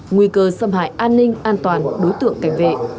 nguy cơ xâm hại an ninh an toàn đối tượng cảnh vệ